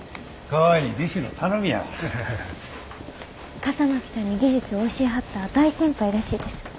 笠巻さんに技術を教えはった大先輩らしいです。